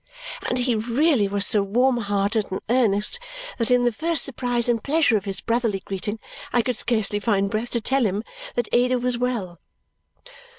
And he really was so warm hearted and earnest that in the first surprise and pleasure of his brotherly greeting I could scarcely find breath to tell him that Ada was well.